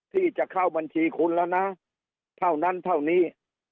ที่จะเข้าบัญชีคุณแล้วนะเท่านั้นเท่านี้